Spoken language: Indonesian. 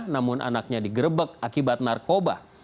namun anaknya digerebek akibat narkoba